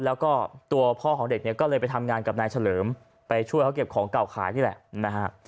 แล้วก็ตัวพ่อของเด็กเนี่ยก็เลยไปทำงานกับนายเฉลิมไปช่วยเขาเก็บของเก่าขายนี่แหละนะฮะ